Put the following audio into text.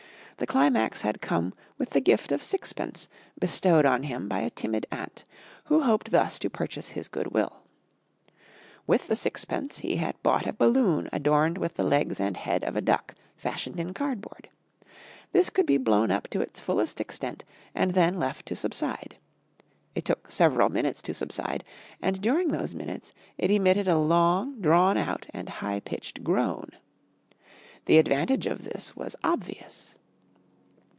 The climax had come with the gift of sixpence bestowed on him by a timid aunt, who hoped thus to purchase his goodwill. With the sixpence he had bought a balloon adorned with the legs and head of a duck fashioned in cardboard. This could be blown up to its fullest extent and then left to subside. It took several minutes to subside, and during those minutes it emitted a long drawn out and high pitched groan. The advantage of this was obvious.